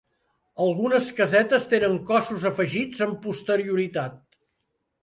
Algunes casetes tenen cossos afegits amb posterioritat.